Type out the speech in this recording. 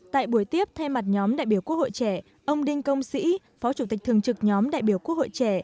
tại buổi tiếp thay mặt nhóm đại biểu quốc hội trẻ ông đinh công sĩ phó chủ tịch thường trực nhóm đại biểu quốc hội trẻ